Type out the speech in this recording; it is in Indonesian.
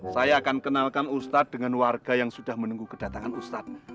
saya akan kenalkan ustadz dengan warga yang sudah menunggu kedatangan ustadz